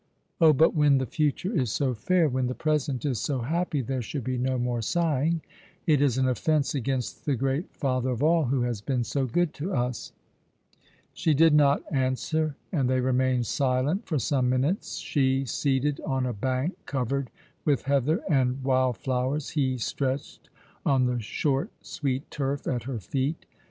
Oh, but when the future is so fair, when the present is so happy, there should be no more sighing. It is an offence against the Great Father of all, who has been so good to us." She did not answer, and they remained silent for some minutes, she seated on a bank covered with heather and wild flowers ; he stretched on the short, sweet turf at her feet.